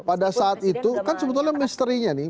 pada saat itu kan sebetulnya misterinya nih